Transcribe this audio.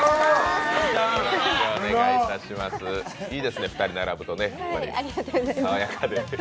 いいですね、２人並ぶとね、さわやかで。